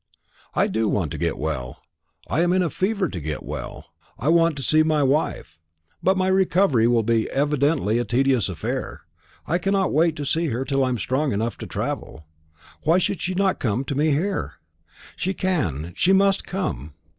"I do want to get well. I am in a fever to get well; I want to see my wife. But my recovery will be evidently a tedious affair. I cannot wait to see her till I am strong enough to travel. Why should she not come to me here? She can she must come.